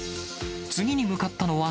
次に向かったのは、